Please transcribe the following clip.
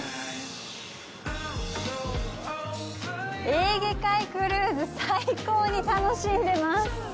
エーゲ海クルーズ、最高に楽しんでます！